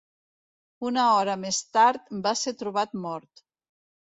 Una hora més tard, va ser trobat mort.